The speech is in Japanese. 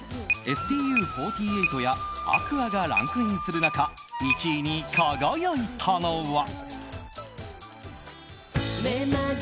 ＳＴＵ４８やＡｑｏｕｒｓがランクインする中１位に輝いたのは。